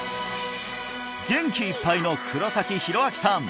元気いっぱいの黒崎弘明さん